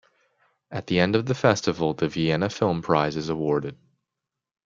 At the end of the festival, the "Vienna Film Prize" is awarded.